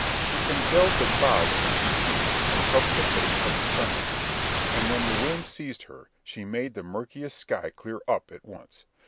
She congealed the clouds when she pleased, and covered the face of the sun with them; and when the whim seized her, she made the murkiest sky clear up at once.